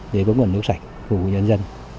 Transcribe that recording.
để có nguồn nước sạch phù nhân dân